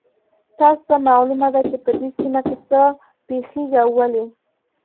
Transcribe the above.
تاسو ته معلومه ده چې په دې سیمه کې څه پېښیږي او ولې